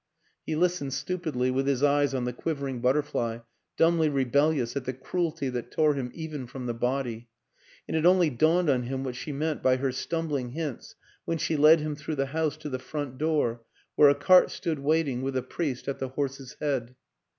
... He listened stupidly with his eyes on the quivering butterfly, dumbly rebellious at the cruelty that tore him even from the body and it only dawned on him what she meant by her stumbling hints when she led him through the house to the front door where a cart stood waiting with the priest at the horse's head.